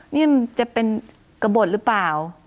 นี่มันจะเป็นกระบดหรือเปล่า